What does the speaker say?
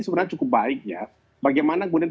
sebenarnya cukup baik ya bagaimana kemudian